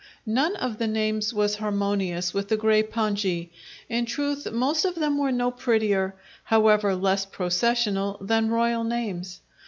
None of the names was harmonious with the grey pongee in truth, most of them were no prettier (however less processional) than royal names.